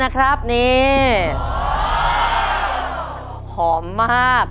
ตัวเลือกที่สอง๘คน